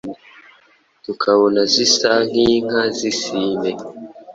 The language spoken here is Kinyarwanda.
tukabona zisa nk’inka z’isine.